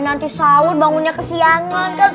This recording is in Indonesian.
nanti sahur bangunnya kesiangan kan